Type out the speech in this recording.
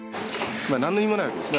何の意味もないわけですね